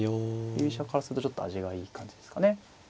振り飛車からするとちょっと味がいい感じですかね。